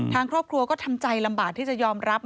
ทางครอบครัวก็ทำใจลำบากที่จะยอมรับ